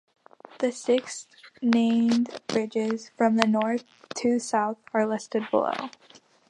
The six named bridges from north to south are listed below.